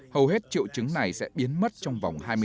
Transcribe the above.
hầu hết triệu chứng này sẽ biến mất trong vòng hai ngày